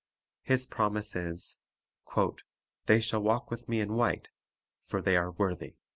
His promise is, — "They shall walk with Me in white; for they are worthy."